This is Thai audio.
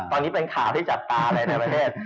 ตอนนี้เป็นข่าวที่จับตาเลยในประเทศ